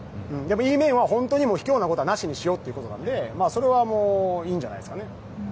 いい面は、本当に卑怯なことはなしにしようということでそれはいいんじゃないですかね。